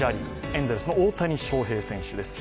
エンゼルスの大谷翔平選手です。